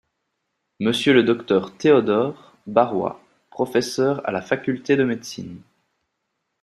Monsieur le Dr Théodore Barrois, professeur à la Faculté de médecine.